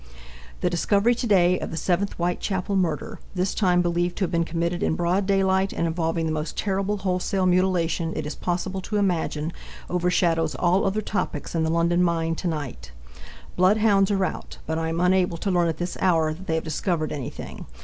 The discovery to day of the seventh Whitechapel murder, this time believed to have been committed in broad daylight and involving the most terrible wholesale mutilation it is possible to imagine, overshadows all other topics in the London mind to night. Bloodhounds are out, but I am unable to learn at this hour that they have discovered anything.